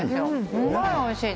すごいおいしい。